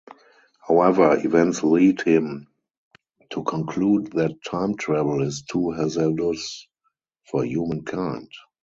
However, events lead him to conclude that time travel is too hazardous for humankind.